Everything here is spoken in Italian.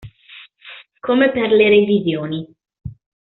Come per le revisioni.